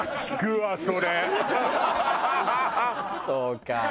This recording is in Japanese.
そうか。